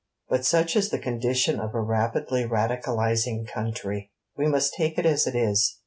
But such is the condition of a rapidly Radicalizing country! We must take it as it is.